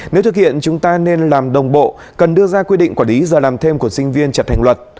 nếu thực hiện chúng ta nên làm đồng bộ cần đưa ra quy định quản lý giờ làm thêm của sinh viên chập hành luật